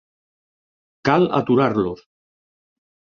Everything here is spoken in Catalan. Cal aturar-los.